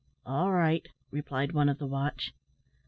"All right!" replied one of the watch.